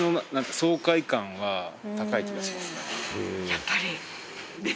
やっぱり。